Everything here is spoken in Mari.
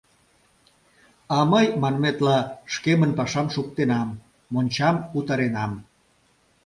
А мый, манметла, шкемын пашам шуктенам, мончам утаренам.